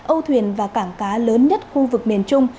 âu thuyền và cảng cá lớn nhất khu vực miền trung